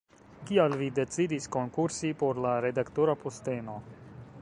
Kial vi decidis konkursi por la redaktora posteno?